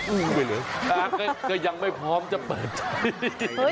ไปเลยก็ยังไม่พร้อมจะเปิดใจ